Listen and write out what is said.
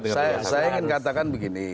saya ingin katakan begini